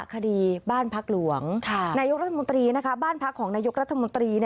คดีบ้านพักหลวงนายกรัฐมนตรีบ้านพักของนายกรัฐมนตรี